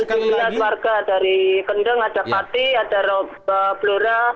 ada pati ada roba pelura